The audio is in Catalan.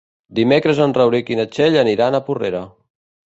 Dimecres en Rauric i na Txell aniran a Porrera.